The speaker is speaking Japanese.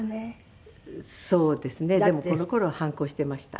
でもこの頃は反抗していました。